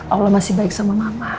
allah masih baik sama mama